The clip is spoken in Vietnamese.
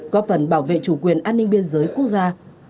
góp phần bảo vệ chủ quyền an ninh biên giới quốc gia